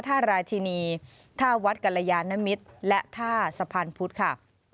ท่าราชินีท่าวัดกรยานมิตรและท่าสะพานพุทธค่ะ